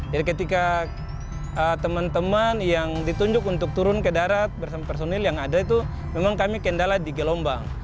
jadi ketika teman teman yang ditunjuk untuk turun ke darat bersama personil yang ada itu memang kami kendala di gelombang